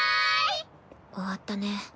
終わったね。